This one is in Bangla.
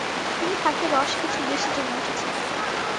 তিনি থাকতে রস কিছু বেশি জমে উঠেছিল।